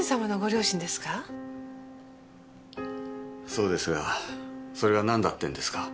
そうですがそれがなんだってんですか？